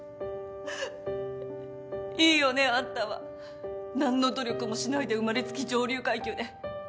いいよねあんたは何の努力もしないで生まれつき上流階級で。